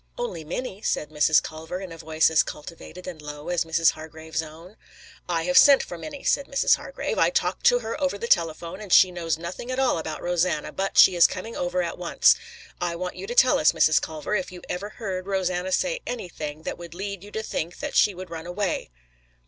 "Only Minnie," said Mrs. Culver in a voice as cultivated and low as Mrs. Hargrave's own. "I have sent for Minnie," said Mrs. Hargrave. "I talked to her over the telephone and she knows nothing at all about Rosanna, but she is coming over at once. I want you to tell us, Mrs. Culver, if you ever heard Rosanna say anything that would lead you to think that she would run away."